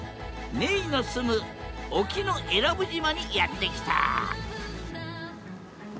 めいの住む沖永良部島にやって来た